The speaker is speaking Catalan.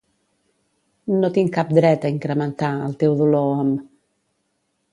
No tinc cap dret a incrementar el teu dolor amb...